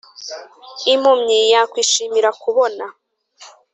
impumyi yakwishimira kubona.